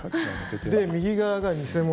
で、右側が偽物。